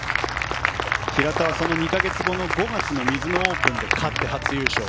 平田はその２か月後の５月のミズノオープンで勝って、初優勝。